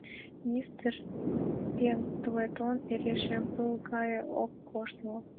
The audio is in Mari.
Мистер Пендлетон эре шем пыл гае ок кошт мо?